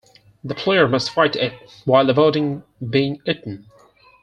The player must fight it while avoiding being eaten.